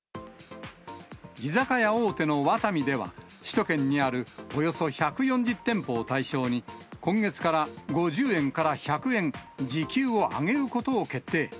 居酒屋大手のワタミでは、首都圏にあるおよそ１４０店舗を対象に、今月から５０円から１００円、時給を上げることを決定。